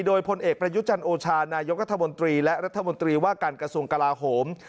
โดยพลเอกประยุจันทร์โอชานายกรัฐมนตรีและรัฐมนตรีว่าการกระทรวงกลาโหม